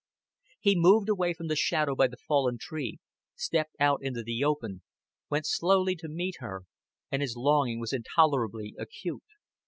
He moved away from the shadow by the fallen tree, stepped out into the open, went slowly to meet her, and his longing was intolerably acute.